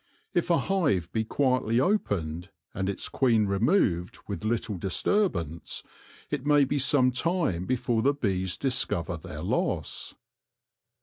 If a hive be quietly opened, and its queen removed with little disturbance, it may be some time before the bees discover their loss.